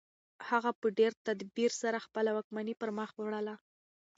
هغه په ډېر تدبیر سره خپله واکمني پرمخ وړله.